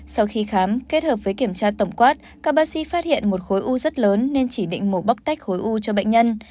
sau khi khám kết hợp với kiểm tra tổng quát các bác sĩ phát hiện một khối u rất lớn nên chỉ định mổ bóc tách khối u cho bệnh nhân